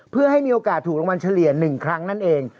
เพื่อให้มีโอกาสถูกรางวัลเฉลี่ย๑ครั้งนั่นเอง